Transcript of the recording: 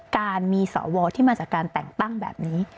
การมีสวที่มาจากการแต่งตั้งแบบนี้